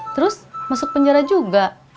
terus masuk penjara juga